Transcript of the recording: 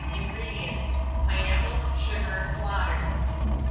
INGREDIENTS. Pineapple, sugar, water.